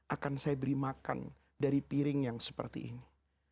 akan saya beri makan dari piring yang seperti ini